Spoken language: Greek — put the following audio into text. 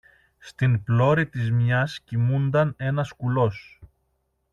Στην πλώρη της μιας κοιμούνταν ένας κουλός